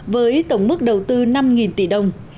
với tổng mức đầu tư năm tỷ đồng